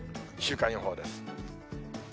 週間予報です。